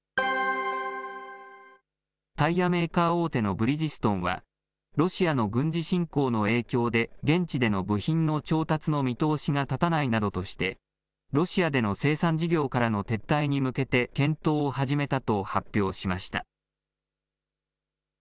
タイヤメーカー大手のブリヂストンは、ロシアの軍事侵攻の影響で現地での部品の調達の見通しが立たないなどとして、ロシアでの生産事業からの撤退に向けて検討を始めたと発表しました。